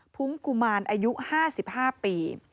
ุ้งกุมารอายุ๕๕ปี